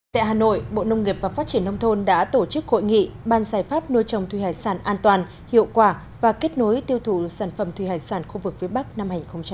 tại hà nội bộ nông nghiệp và phát triển nông thôn đã tổ chức hội nghị ban giải pháp nuôi trồng thủy hải sản an toàn hiệu quả và kết nối tiêu thụ sản phẩm thủy hải sản khu vực phía bắc năm hai nghìn hai mươi